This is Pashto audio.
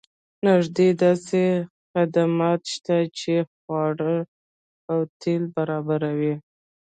نږدې داسې خدمات شته چې خواړه او تیل برابروي